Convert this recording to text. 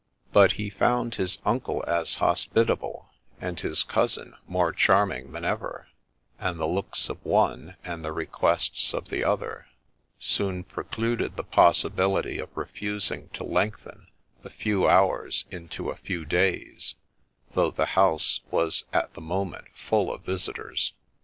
But he found his uncle as hospitable, and his cousin more charming than ever ; and the looks of one, and the requests of the other, soon precluded the possibility of refusing to lengthen the ' few hours ' into a few days, though the house was at the moment full of visitors.